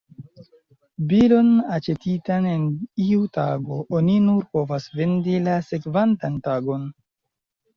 Bilon aĉetitan en iu tago, oni nur povas vendi la sekvantan tagon.